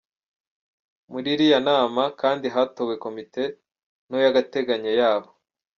Muri iyi nama kandi hatowe Komite nto y’agateganyo ya bo.